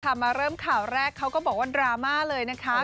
มาเริ่มข่าวแรกเขาก็บอกว่าดราม่าเลยนะคะ